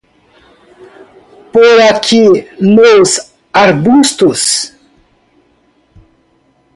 Por aqui nos arbustos.